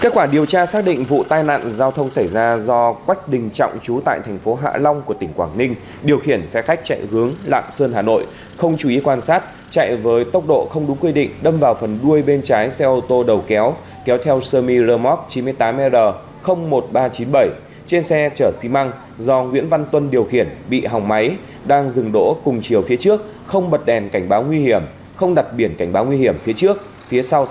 kết quả điều tra xác định vụ tai nạn giao thông xảy ra do quách đình trọng trú tại thành phố hạ long của tỉnh quảng ninh điều khiển xe khách chạy hướng lạng sơn hà nội không chú ý quan sát chạy với tốc độ không đúng quy định đâm vào phần đuôi bên trái xe ô tô đầu kéo kéo theo semi remote chín mươi tám l một nghìn ba trăm chín mươi bảy trên xe chở xí măng do nguyễn văn tuân điều khiển bị hòng máy đang dừng đỗ cùng chiều phía trước không bật đèn cảnh báo nguy hiểm không đặt biển cảnh báo nguy hiểm phía trước phía sau xe ô tô